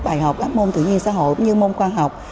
bài học các môn tự nhiên xã hội như môn khoa học